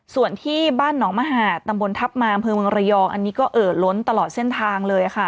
ส่วนที่บ้านหนองมหาดตำบลทัพมาอำเภอเมืองระยองอันนี้ก็เอ่อล้นตลอดเส้นทางเลยค่ะ